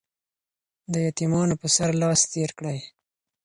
د يتيمانو په سر لاس تېر کړئ.